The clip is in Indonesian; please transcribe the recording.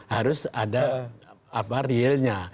terus ada realnya